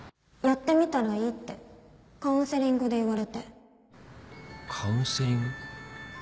やってみたらいいってカウンセリングで言われてカウンセリング？